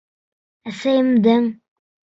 Әсәйемдең: